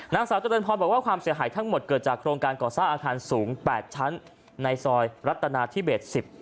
นางสาวเจริญพรบอกว่าความเสียหายทั้งหมดเกิดจากโครงการก่อสร้างอาคารสูง๘ชั้นในซอยรัฐนาธิเบส๑๐